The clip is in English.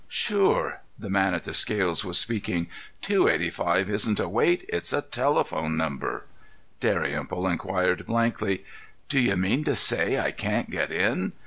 "Sure!" The man at the scales was speaking. "Two eighty five isn't a weight; it's a telephone number." Dalrymple inquired, blankly: "Do you mean to say I can't get in?